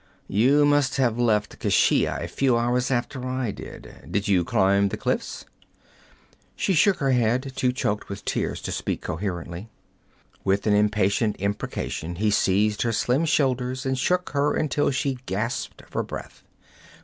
'You must have left Keshia a few hours after I did. Did you climb the cliffs?' She shook her head, too choked with tears to speak coherently. With an impatient imprecation he seized her slim shoulders and shook her until she gasped for breath.